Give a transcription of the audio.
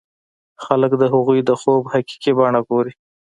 خلک د هغوی د خوب حقيقي بڼه ګوري.